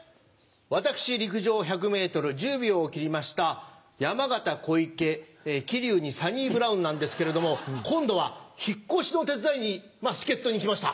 私陸上１００ｍ１０秒を切りました山縣小池桐生にサニブラウンなんですけれども今度は引っ越しの手伝いにまぁ助っ人に来ました。